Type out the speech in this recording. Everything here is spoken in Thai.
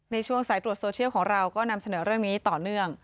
ในช่วงสายตรวจโซเชียลของเราก็นำเสนอเรื่องนี้ต่อเนื่อง